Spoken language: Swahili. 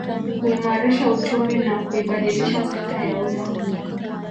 Kuimarisha uchumi na kuibadilisha sekta ya umma